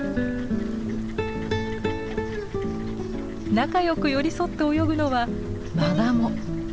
仲良く寄り添って泳ぐのはマガモ。